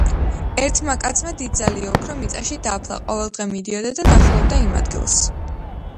ერთმა კაცმა დიდძალი ოქრო მიწაში დაფლა. ყოველდღე მიდიოდა და ნახულობდა იმ ადგილს.